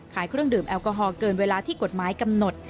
เครื่องดื่มแอลกอฮอลเกินเวลาที่กฎหมายกำหนด